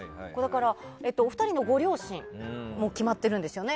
お二人のご両親もう決まってるんですよね。